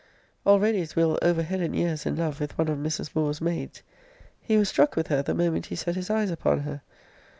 Already is Will. over head and ears in love with one of Mrs. Moore's maids. He was struck with her the moment he set his eyes upon her.